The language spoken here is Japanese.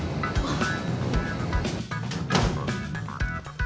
あっ。